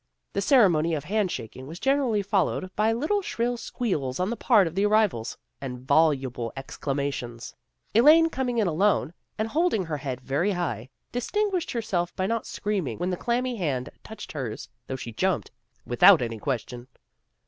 The ceremony of hand shaking was generally fol lowed by little shrill squeals on the part of the arrivals, and voluble exclamations. Elaine, coming in alone, and holding her head very high, distinguished herself by not screaming when the clammy hand touched hers, though she jumped, without any question.